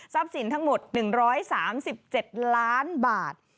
ทรัพย์สินทั้งหมด๑๓๗ล้านบาท